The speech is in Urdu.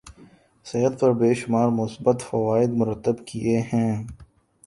صحت پر بے شمار مثبت فوائد مرتب کیے ہیں